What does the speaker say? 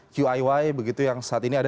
qiy begitu yang saat ini ada